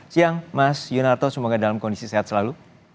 siang mas yunarto semoga dalam kondisi sehat selalu